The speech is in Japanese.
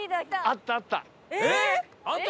あったあった！